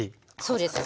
そうです。